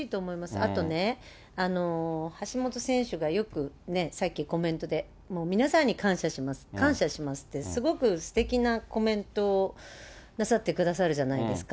あとね、橋本選手がよくね、さっきコメントで、もう皆さんに感謝します、感謝しますってすごくすてきなコメントをなさってくださるじゃないですか。